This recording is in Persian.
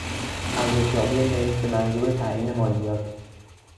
ارزشیابی ملک به منظور تعیین مالیات